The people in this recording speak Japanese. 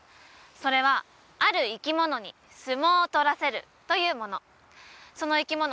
それはある生き物に相撲を取らせるというものその生き物